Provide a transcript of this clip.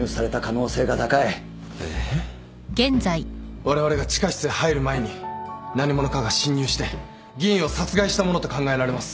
われわれが地下室へ入る前に何者かが侵入して議員を殺害したものと考えられます。